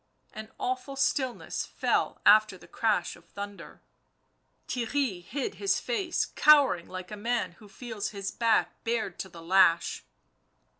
An awful stillness fell after the crash of thunder ; Theirry hid his face, cowering like a man who feels his back bared to the lash.